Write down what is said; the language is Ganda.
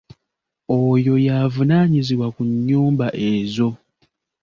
Oyo y'avunaanyizibwa ku nnyumba ezo.